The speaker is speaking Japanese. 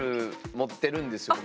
持ってるんですね。